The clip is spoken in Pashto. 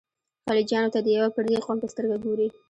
خلجیانو ته د یوه پردي قوم په سترګه ګوري.